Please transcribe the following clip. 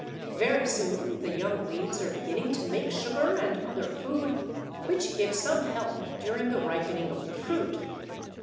Very soon the young leaves are beginning to make sugar and other food, which give some help during the ripening of the fruit.